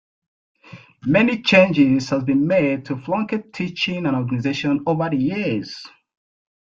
Many changes have been made to Plunket teaching and organisation over the years.